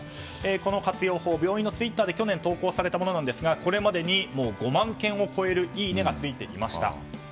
この活用法病院のツイッターで去年、投稿されたものですがこれまでに５万件を超えるいいねがついていました。